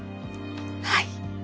はい。